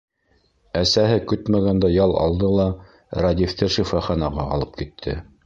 Әсәһе көтмәгәндә ял алды ла, Рәдифте шифаханаға алып китте.